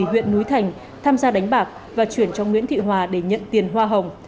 huyện núi thành tham gia đánh bạc và chuyển cho nguyễn thị hòa để nhận tiền hoa hồng